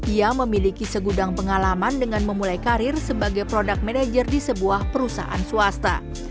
ia memiliki segudang pengalaman dengan memulai karir sebagai product manager di sebuah perusahaan swasta